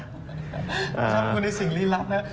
ชอบลงทุนในสิ่งรีลับนะ